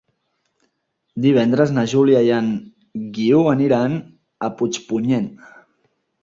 Divendres na Júlia i en Guiu aniran a Puigpunyent.